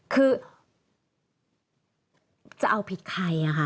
คือจะเอาผิดใคร